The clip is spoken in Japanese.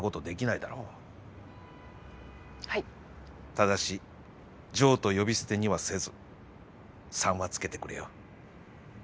ただし「ジョー」と呼び捨てにはせず「さん」は付けてくれよ。